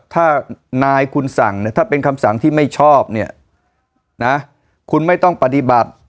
ถ้านายคุณสั่งเนี่ยถ้าเป็นคำสั่งที่ไม่ชอบเนี่ยนะคุณไม่ต้องปฏิบัติ